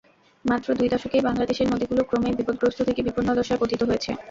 মাত্র দুই দশকেই বাংলাদেশের নদীগুলো ক্রমেই বিপদগ্রস্ত থেকে বিপন্ন দশায় পতিত হয়েছে।